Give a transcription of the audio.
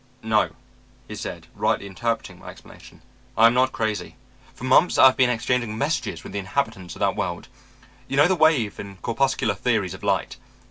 "'No,' he said, rightly interpreting my exclamation, 'I am not crazy. For months I have been exchanging messages with the inhabitants of that world. You know the wave and corpuscular theories of light?